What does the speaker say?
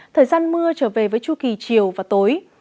thời gian mưa trở về với chu kỳ chiều và tối